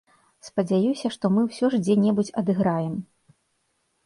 Спадзяюся, што мы ўсё ж дзе-небудзь адыграем.